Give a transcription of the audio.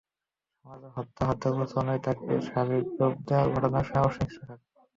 সমাজে হত্যা, হত্যার প্ররোচনা এবং তাকে স্বাভাবিকতায় রূপ দেওয়ার ঘটনা অসহিষ্ণুতার সাক্ষ্য।